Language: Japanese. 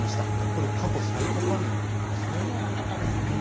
これ過去最高値なんですね。